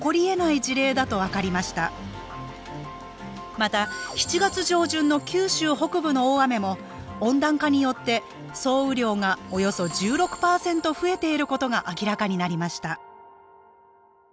また７月上旬の九州北部の大雨も温暖化によって総雨量がおよそ１６％増えていることが明らかになりました